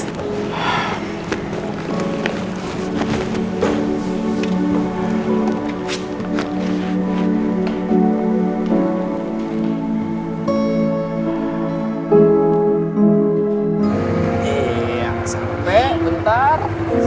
iya sampai bentar